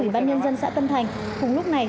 ủy ban nhân dân xã tân thành cùng lúc này